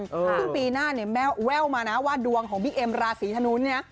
ครึ่งปีหน้าแม่แววมานะว่าดวงของบิ๊กเอ็มราศรีธนุน